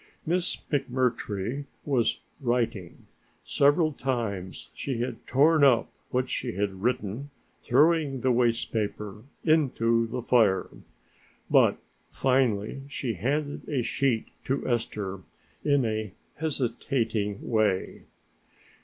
Miss McMurtry was writing: several times she had torn up what she had written, throwing the waste paper into the fire, but finally she handed a sheet to Esther in a hesitating way.